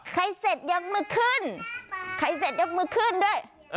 ใครเสร็จยกมือขึ้นใครเสร็จยกมือขึ้นด้วย